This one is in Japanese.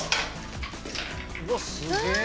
うわあすげえ。